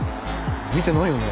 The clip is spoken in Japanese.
見てないよな？